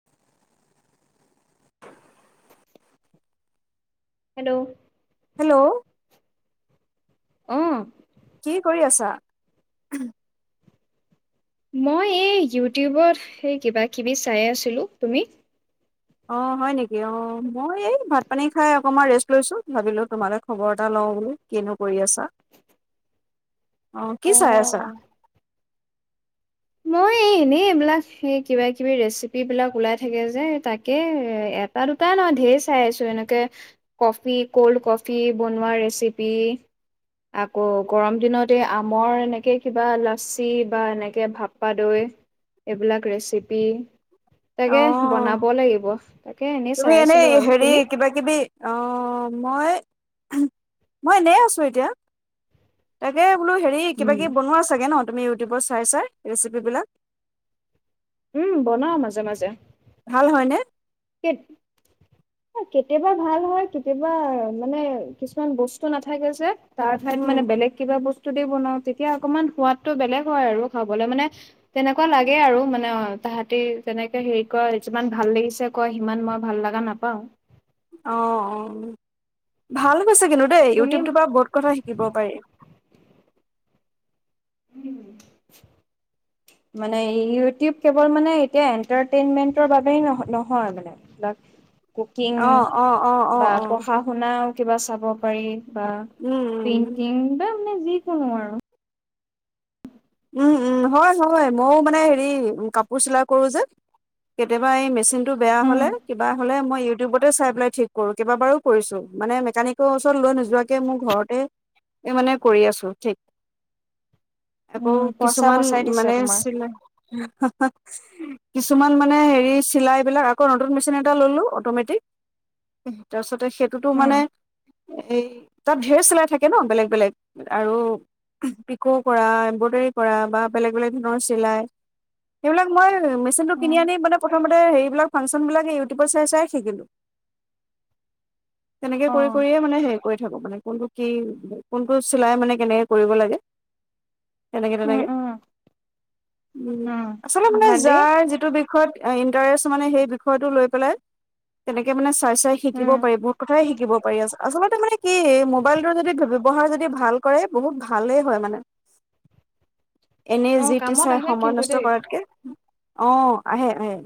[unintelligible] Hello? Hello? অ'। কি কৰি আছা? মই এই ইউটিউবত স কিবা কিবি চাই আছিলো। তুমি? অঁ হয় নেকি অঁ মই এই ভাত পানী খাই অকণমান ৰেষ্ট লৈছোঁ ভাবিলোঁ তোমালৈ খবৰ এটা লওঁ বুলি। কিনো কৰি আছা, অ' কি চাই আছা? অ'। মই এনেই এইবিলাক এই কিবা কিবি ৰেচিপি বিলাক ওলাই থাকে যে তাকে এ তাৰ দুটাই নহয় ঢেৰ চাই আছো, এনেকে কফি ক'ল্ড কফি বনোৱা ৰেচিপি আকৌ গৰম দিনত এই আমৰ এনেকৈ কিবা লাচি বা এনেকৈ ভাপ পাদৈ এইবিলাক ৰেচিপি অ তাকে বনাব লাগিব তাকে এনেই তুমি চাই আছিলো এনেই আৰু। হেৰি তুমি? কিবা কিবি, অ' মই মই এনেই আছো এতিয়া। তাকে বোলো হেৰি কিবা উম। কিবি বনোৱা চাগে ন তুমি ইউটিউবত চাই চাই ৰেচিপ বিলাক? উম, বনাওঁ মাজে মাজে। ভাল হয়নে? কেত [unintelligible] কেতিয়াবা ভাল হয়, কেতিয়াবা মানে কিছুমান বস্তু নাথাকে যে তাৰ ঠাইত মানে উম বেলেগ কিবা বস্তু দি বনাওঁ তেতিয়া অকনমান সোৱাদটো বেলেগ হয় আৰু খাবলৈ, মানে তেনেকুৱা লাগে আৰু মানে অ তাহাঁতি তেনেকে হেৰি কৰে যিমান ভাল লাগিছে কয় সিমান মই ভাল লগা নাপাওঁ। অ' অ' ভাল হৈছে কিন্তু দেই তুমি ইউটিউবটোৰ পৰা বহুত কথা শিকিব পাৰি। উ [unintelligible] মানে ইউটিউব কেৱল মানে এতিয়া এন্টাৰটেইনমেন্টৰ বাবে নহয়। মানে লাক কুকিং অ অ অ অ বা অ পঢ়া শুনাও কিবা চাব পাৰি বা উম উম পেইন্টিং বা মানে যিকোনো আৰু। উম,, উম হয় হয় মইও মানে হেৰি কাপোৰ চিলাই কৰো যে কেতিয়াবা এই মেচিনটো বেয়া উম হ'লে কিবা হ'লে মই ইউটিউবতে চাই পেলাই ঠিক কৰো, কেইবাবাৰো কৰিছো মানে মেকানিকৰ ওচৰত লৈ নোযোৱাকে মোৰ ঘৰতে এই মানে কৰি আছো ঠিক। আকৌ উম, পইচা কিছুমান বচাই দিছে মানে তোমাৰ। চে কিছুমান মানে হেৰি চিলাই বিলাক আকৌ নতুন মেচিন এটা ললো অটমেটিক। তাৰপিছতে সেইটোতো উম, মানে এই তাত ঢেৰ চিলাই থাকে ন' বেলেগ বেলেগ আৰু পিকৌ কৰা এম্ব্ৰইডাৰী কৰা বা বেলেগ বেলেগ ধৰণৰ চিলাই। সেইবিলাকই মই মেচিনটো কিনি উম, আনি মানে প্ৰথমতে হেৰিবিলাক ফাংচন বিলাকে ইউটিউবৰ চাই চাই শিকিলোঁ। [inaudible] তেনেকে কৰি অ', কৰিয়ে মানে হেৰি কৰি থাকো মানে কোনটো কি কোনটো চিলাই মানে কেনেকে কৰিব লাগে। তেনেকে উম, তেনেকে উম, উম, আচলতে মানে ভালেই। যাৰ যিটো বিক ইণ্টাৰেষ্ট মানে সেই বিষয়টো লৈ পেলাই। তেনেকে মানে চাই চাই শিকিব উম, পাৰি বহুত কথাই শিকিব পাৰি আছে আচলতে মানে কি মোবাইলটোৰ যদি ব্যৱহাৰ যদি ভাল কৰে বহুত ভালেই হয় মানে। এনেই অ', যি টি কামত চাই আহে সময় কিন্তু নষ্ট দেই। কৰাতকে অ, আহে আহে।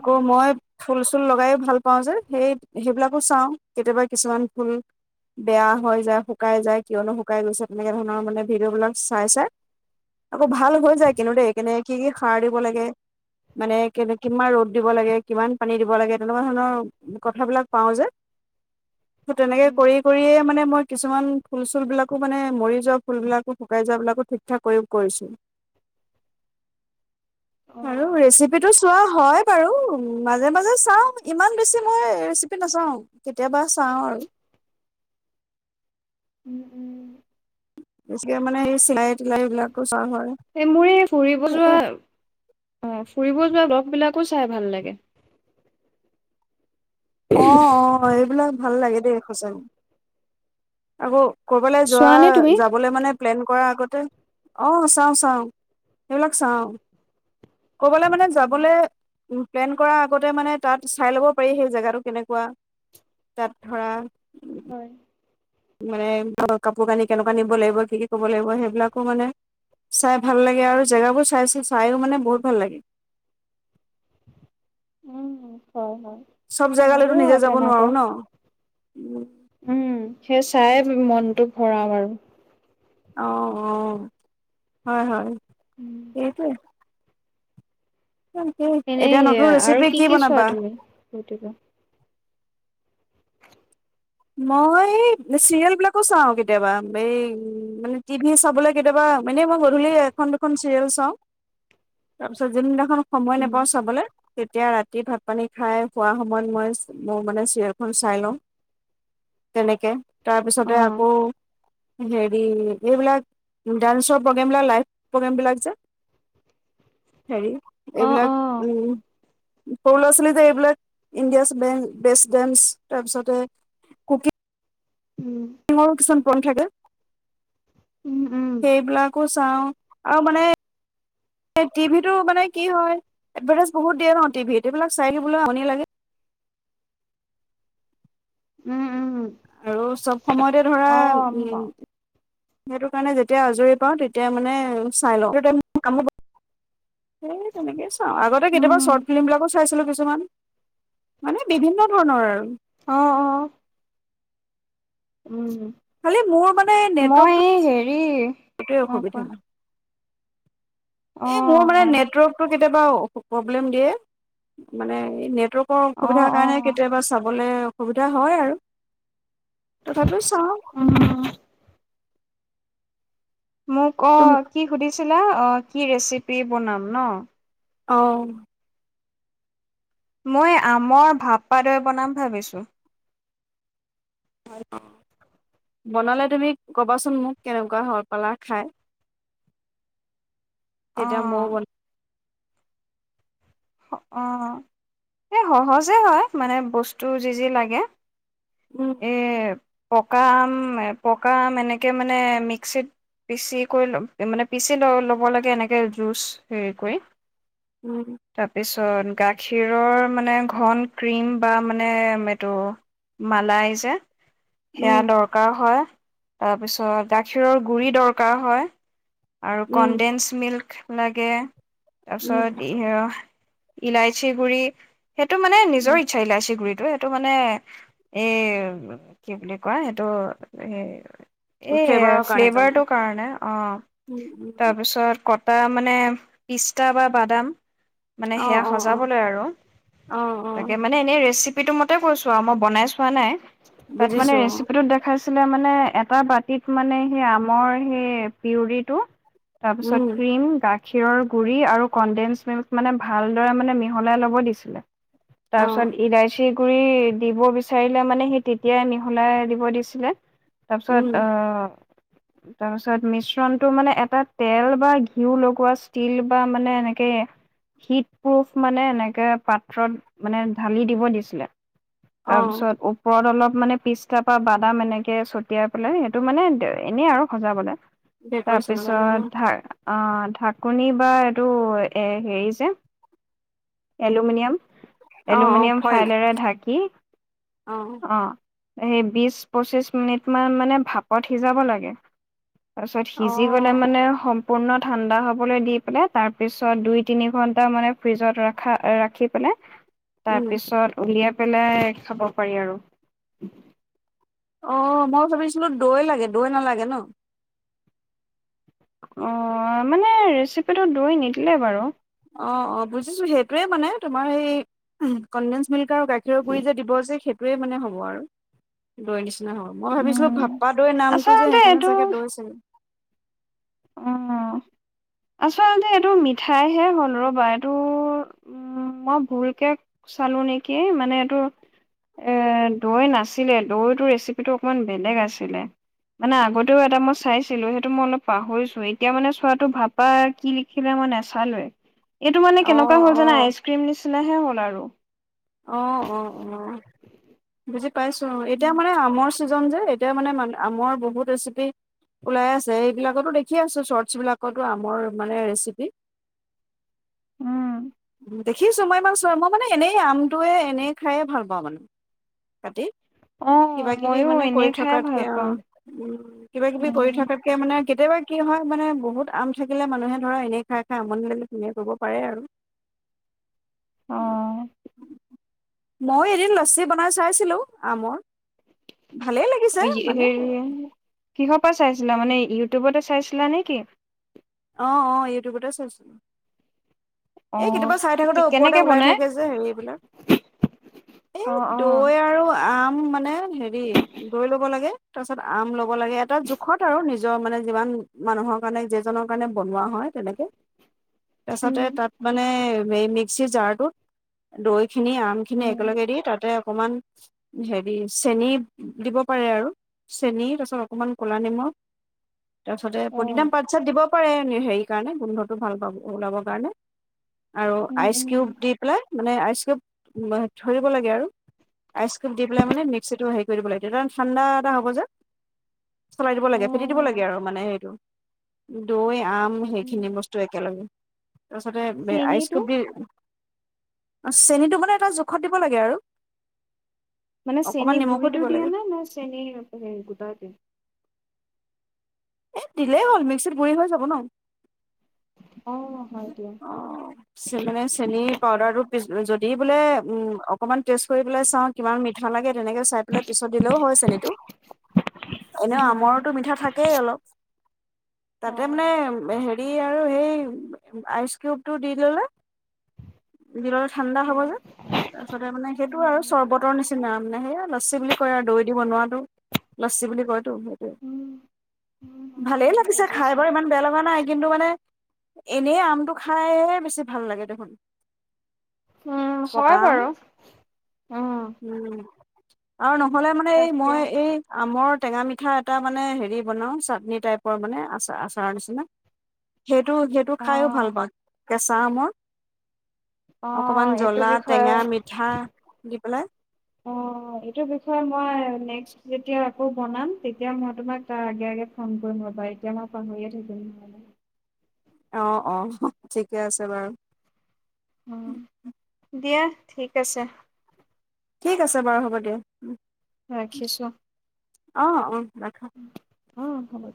আকৌ মই ফুল ফুল লগায়ে ভাল পাওঁ যে, সেই সেইবিলাকো চাওঁ কেতিয়াবা কিছুমান ফুল। বেয়া হৈ যায় শুকাই যায় কিয়নো শুকাই গৈছে তেনেকে ধৰণৰ মানে ভিডিঅ'বলাক চাই চাই আকৌ ভাল হৈ যায় কিন্তু দেই কেনে কি কি সাৰ দিব লাগে। মানে কেনে কিমান ৰ'দ দিব লাগে কিমান পানী দিব লাগে তেনেকুৱা ধৰণৰ কথাবিলাক পাওঁ যে, ত' উম, তেনেকে উম। কৰিয় কৰিয়ে মানে মানে মই কিছুমান ফুল চুল বিলাকো মানে মৰি যোৱা ফুল বিলাকো শুকাই যোৱা বিলাকু ঠিক ঠাক কৰি কৰিছোঁ, অ', আৰু সেইটো চোৱা হয় বাৰু মাজে মাজে চাওঁ, ইমান বেছি মই ৰেচিপি নাচাওঁ কেতিয়াবা চাওঁ আৰু উম, উম, বেছিকে মানে এই চিলাই টিলাই বিলাকো চোৱা হয় এই মোৰ এই ফুৰিব যোৱা সেইয়াই। অ', ফুৰিব যোৱা লগবিলাকো চাই ভাল লাগে। অ [inaudible] অ', এইবিলাক ভাল লাগে দেই সঁচাই। আকৌ কৰ'বালৈ চোৱা যোৱা নে তুমি? যাবলৈ মানে প্লেন কৰা আগতে অ, চাওঁ চাওঁ। সেইবিলাক চাওঁ কবালে মানে উম, যাবলে উম, প্লেন কৰাৰ আগতে মানে তাত চাই ল'ব পাৰি সেই জেগাটো কেনেকুৱা তাত ধৰা হয়, মানে ধৰা কাপোৰ কানি কেনেকুৱা নিব লাগিব কি কি কৰিব লাগিব সেইবিলাকো মানে চাই ভাল লাগে আৰু জেগাবোৰ চাই চ চাইও মানে বহুত ভাল লাগে। উম, হয় - হয়, চব জেগালৈতো মোৰো নিজে আৰু যাব নোৱাৰো তেনেকুৱাই। ন। উম, উম, হেই চায়ে মনটো ভৰাও আৰু। অ', অ', হয় - হয়, সেইটোৱে। তাকেই। এনে এতিয়া নতুন সেয়া আৰু ৰেচিপি কি কি চোৱা বনাবা? তুমি? মই চিৰিয়েল বিলাকো চাওঁ কেতিয়াবা, এই মানে টিভি চাবলৈ কেতিয়াবা মানে মই গধূলি এখন দুখন চিৰিয়েল চাওঁ তাৰপিছত যোনদিনাখন সময় উম, নেপাওঁ চাবলৈ তেতিয়া ৰাতি ভাত পানী খাই খোৱা সময়ত মই মোৰ মানে চিৰিয়েল খন চাই লওঁ তেনেকে তাৰপিছতে অ', আকৌ হেৰি এইবিলাক ডান্সৰ প্ৰগ্ৰেমবলাক লাইভ প্ৰগ্ৰেম বিলাক যে হেৰি অ', অ', এইবিলাক উম, সৰু ল'ৰা ছোৱালী যে এইবিলাক, ইণ্ডিয়াচ বেষ্ট ডেঞ্চ তাৰপিছতে কুকি উম, [unintelligible] কিছুমান পইণ থাকে উম, উম, এইবিলাকো চাওঁ আৰু মানে এই টিভিতো মানে কি হয়, এডভাৰটাইজ বহুত দিয়ে ন' টিভিত। এইবিলাক চাই থাকিবলৈও আমনি লাগে। উম, উম, উম। আৰু চব সময়তে ধৰা, উম সেইটো কাৰণে যেতিয়া আজৰি পাওঁ, তেতিয়া মানে চাই লওঁ। [unintelligible] সেই তেনেকে চাওঁ, আগতে কেতিয়াবা উম চৰ্ট ফিল্ম বিলাকো চ চাইছিলো কিছুমান, মানে বিভিন্ন ধৰণৰ আৰু অঁ, অঁ। উম, খালি মোৰ মানে মই এই হেৰি ৱেই অ অসুবিধা কোৱা নাই। অ এই মোৰ মানে অ নেটৱৰ্কটো কেতিয়াবা প্ৰব্লেম দিয়ে, মানে এই নেটৱৰ্ক কৰ অ অসুবিধাৰ অ কাৰণে কেতিয়াবা চাবলৈ অসুবিধা হয় আৰু। তথাপিও চাওঁ। উম মোক, তুম অ' কি সুধিছিলা? অ' কি ৰেচিপি বনাম ন? অঁ। মই আমৰ ভাপা দৈ বনাম ভাবিছোঁ। বনালে তুমি ক'বাচোন মোক, কেনেকুৱা হৈ পেলাই খায়। অ তেতিয়া মও বন অ, এই সহজে হয়। মানে বস্তু যি যি লাগে উম। এই পকা আম, পকা আম এনেকৈ মানে মিক্সিত পিচি কৰি লব, মানে পিচি ল ল'ব লাগে এনেকৈ জুচ হেৰি কৰি উম। তাৰপিছত, গাখীৰৰ মানে ঘন ক্ৰীম বা মানে এইটো মালাই যে, সেয়া উম দৰকা কাৰ হয়, তাৰপিছত গাখীৰৰ গুৰি দৰকাৰ হয় আৰু উম কনদেঞ্চ মিল্ক লাগে, উম তাৰপিছত ই ইলাইচী গুৰি, সেইটো মানে নিজৰ উম ইচ্ছা ইলাইচী গুৰিটো, সেইটো মানে এ কি বুলি কয়, সেইটো হেই এ ফ্লেভাৰৰ কাৰণে তাৰমানে ফ্লেভাৰটোৰ কাৰণে, উম অ উম তাৰপিছত কট টা মানে, পিষ্টা বা বাদাম। মানে অঁ সেয়া অঁ অঁ সজাবলৈ আৰু, অঁ অঁ তাকে মানে এনেই ৰেচিপিটো মতে কৈছো আৰু মই বনাই চো ৱা নাই, তাত বুজিছো মানে অঁ ৰেচিপিটোত দেখ খাইছিলে মানে এটা বাতিত মানে, সেই আমৰ সেই পিউৰিটো তাৰপিছত উম ক্ৰীম, গাখ খীৰৰ গুড়ি আৰু কণ্ডেস মিল্ক মানে, ভালদৰে মানে মিহলাই ল'ব দিছিলে। তাৰ অঁ পিছত ইলাইচী গুৰি দিব বিচ চাৰিলে মানে সি তেতিয়াই মিহলাই দিব দিছিলে, উম তাৰপিছত অ' [inaudible] তাৰপিছত মিশ্ৰণটো মানে এটা তেল বা ঘিউ লগোৱা ষ্টীল বা মানে এনেকে, হিট প্ৰ্ৰুফ মানে এনেকৈ পাত্ৰত, মানে ঢালি দিব দিছিলে। অঁ তাৰপিছত উপ ওপৰত অলপ মানে পিষ্টা বা বাদাম এনেকে ছটিয়াই পেলাই, সেইটো মানে এনেই আৰু সজাবলৈ। ডেক'ৰেশ্যনৰ কাৰণে তাৰপিছত অঁ ঢ আহ ঢাকনি বা এইটো, এ হেৰি যে এলুমিনিয়াম, অঁ এলুমিনিয়াম ফইল ফাইলেৰে ঢাকি অঁ। অঁ, সেই বিছ, পঁচিছ মিনিটমান মানে সেই ভাপত সিজাব লাগে। তাৰছত সিজি গ লে অ', মানে মানে সম্পূৰ্ণ ঠাণ্ডা হ'বলৈ দি পেলাই, তাৰপিছত দুই তিনিঘন্টা মানে ফ্ৰিজত ৰখা, ৰাখি পেলাই। [inaudible] তাৰ পিছত উলিয়াই পেলাই খাব পাৰি আৰু। অ', মই ভাবিছিলোঁ দৈ লাগে দৈ নালাগে ন। অ', মানে ৰেচিপিটো দৈ নিদিলে বাৰু। অ', অ', বুজিছোঁ সেইটোয়ে মানে তোমাৰ এই কনডেন্স মিল্ক আৰু গাখীৰৰ গুৰি যে দিব সেইটোৱে মানে হ'ব আৰু। দৈ নিচিনা হ'ব মই ভাবিছিলোঁ উম ভাপ্পা দৈৰ নামটো যে আচলতে সেইকাৰণে এইটো চাগে দৈ চাগ উ আচলতে এইটো মিঠাইহে হ'ল ৰ'বা এইটো উ মই ভুলকে চালো নেকি মানে এইটো দৈ নাছিলে দৈ টোৰ ৰেচিপিটো অকণমান বেলেগ আছিলে। মানে আগতেও এটা মই চাইছিলোঁ সেইটো মই অলপ পাহৰিছোঁ এতিয়া মানে চোৱাটো ভাপা কি লিখিলে মই নেচালোৱে। এইটো মানে অ', কেনেকুৱা হ'ল জানা অ', আইচক্ৰীম নিচিনাহে হ'ল আৰু। অ', অ', অ', বুজি পাইছোঁ এতিয়া মানে আমৰ চিজন যে এতিয়া মানে আমৰ বহুত ৰেচিপি ওলাই আছে এইবিলাকতো দেখি আছোঁ চৰ্টছ বিলাকতো আমৰ মানে ৰেচিপি। উম দেখিছোঁ মই ইমান চোৱা মই মানে এনেই আম তয়ে এনেই খাইে ভাল পাওঁ মানে কাটি। অ কিবা কিবি মইয়ো মানে কৰি এনেই খাই থকাতকে ভাল পাওঁ অ', উ কিবা কিবি কৰি উম, থকাত তাকে মানে কেতিয়াবা কি হয় মানে বহুত আম থাকিলে মানুহে ধৰা এনেই খাই, খাই আমনি লাগে তেনেকে খাব পাৰে আৰু। [inaudible] অ মই এদিন লচি বনাই চাইছিলোঁ আমৰ ভালেই লাগিল। হে কিহৰ পৰা চাইছিলা মানে ইউটিউবতে চাইছিলা নে কি। অ', অ', ইউটিউবতে চাইছোঁ। এই অ', কেতিয়াবা চাই থাকোতে কেনেকে ওপৰতে ওলাই বনাই? থাকে যে হেৰি এইবিলাক। এই অ', অ', দৈ আৰু আম মানে হেৰি দৈ ল'ব লাগে তাৰ পিছত আম ল'ব লাগে এটা জোখত আৰু নিজ নিজৰ মানে যিমান মানুহৰ কাৰণে যিজনৰ কাৰণে বনোৱা হয় তেনেকে তাৰপাছতে উম, তাত মানে এই মিক্সিৰ জাৰতোত দৈ খিনি আম খিনি উম একেলগে দি তাতে অকমান হেৰি চেনি দিব পাৰে আৰু। চেনীৰ তাপাছত অকণমান ক'লা নিমখ। তাৰপিছতে প্ৰদিনা অ', পাট চাট দিব পাৰে হেৰি কাৰণে গোন্ধটো ভাল পাব ওলাব কাৰণে। আৰু উম, আইচ উম, কিউব দি পেলাই মানে আইচ কিউব ধৰিব লাগে আৰু। আইচক্ৰীম দি পেলাই মানে মিক্সিটো হেৰি কৰি দিব লাগে তেতিয়া ঠাণ্ডা এটা হ'ব যে। চলাই দিব লাগে ফেটি দিব লাগে অ', আৰু মানে সেইটো দৈ আম উম সেইখিনি বস্তু। একেলগে তাৰপাছতে চেনীটো আইচকোব দি অ', চেনিটো মানে এটা জোখত দিব লাগে আৰু। মানে অকমান চেনীৰ নিমখো গুড়িটো দিব দিয়ে লাগে নে নে চেনীৰ সে গোটটা দিয়ে? এ দিলেই হ'ল মিক্সিত গুৰি হৈ যাব ন। অ', হয় দিয়া। অ মানে চেন পাউদাৰ টো পিছ যদি বোলে উম অকনমান টেষ্ট কৰি পেলাই চাওঁ কিমান মি। মিঠা লাগে তেনেকে। চাই পেলাই পিছত দিলেও হয় চেনীটো এনেও আমৰতো মিঠা থাকেই অলপ। অ' তাতে অ' মানে হেৰি আৰু সেই। আইচ কিউব টো দি ললে দিলে ঠাণ্ডা হব যে। তাৰপিছতে মানে সেইটো আৰু উম চৰ্বতৰ নিচিনা মানে সেয়া লচছী বুলি কয় আৰু দৈ দি বনোৱাটো। লচছী বুলি কয়তো। উম উম উম ভালেই লাগিছে খাই বুজিছো। বাৰু ইমান বেয়া লগা নাই কিন্তু মানে। এনেই আমটো খাইে বেছি ভাল লাগে দেখোন। উম, পকা হয় আম। বাৰু। উম, আৰু নহ'লে মানে এই তাকে মই এই। আমৰ টেঙা মিঠা এটা মানে হেৰি বনাওঁ চাটনি টাইপৰ মানে আচাৰ আচাৰৰ নিচিনা। সেইটো সেইটো খাইও ভাল অ', পাওঁ কেঁচা আমৰ। অকণমান অ', এইটো জ্বলা বিষয়ে টেঙা মিঠা দি পেলাই। অ', এইটো বিষয়ে মই নেক্স যেতিয়া আকৌ বনাম তেতিয়া মই তোমাক তাৰ আগে আগে ফোন কৰিম ৰ'বা এতিয়া মই পাহৰিয়ে থাকিম নহলে। অ', অ', ঠিকে আছে বাৰু। অ', দিয়া ঠিক আছে। ঠিক আছে বাৰু হ'ব দিয়া। ৰাখিছোঁ। অ', অ', ৰাখা। অ', হ'ব।